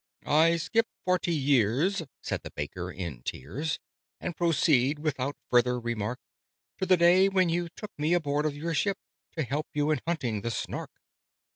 "I skip forty years," said the Baker, in tears, "And proceed without further remark To the day when you took me aboard of your ship To help you in hunting the Snark.